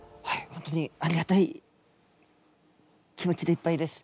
本当にありがたい気持ちでいっぱいです。